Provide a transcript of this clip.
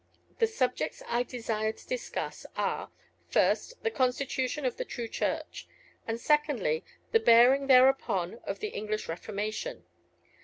The subjects I desire to discuss are first, the Constitution of the true Church; and secondly, the bearing thereupon of the English Reformation.